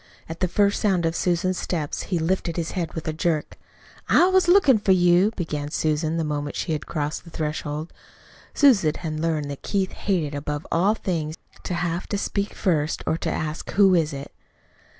At the first sound of Susan's steps he lifted his head with a jerk. "I was lookin' for you," began Susan the moment she had crossed the threshold. Susan had learned that Keith hated above all things to have to speak first, or to ask, "Who is it?"